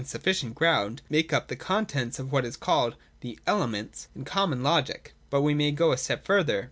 329 Sufficient Ground), make up the contents of what is called the ' Elements ' in the common logic. But we may go a step further.